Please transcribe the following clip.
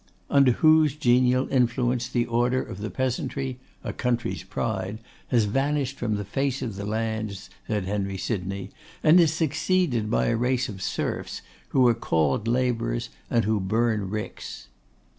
'Under whose genial influence the order of the Peasantry, "a country's pride," has vanished from the face of the land,' said Henry Sydney, 'and is succeeded by a race of serfs, who are called labourers, and who burn ricks.